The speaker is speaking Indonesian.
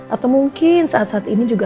atau mungkin saat saat ini juga